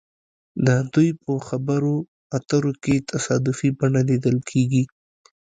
د دوی په خبرو اترو کې تصادفي بڼه لیدل کیږي